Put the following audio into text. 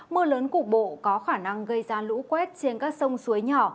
mưa lớn cục bộ có khả năng gây ra lũ quét trên các sông suối nhỏ